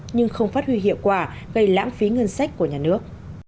nhưng không phát huy hiệu quả gây lãng phí ngân sách của nhà nước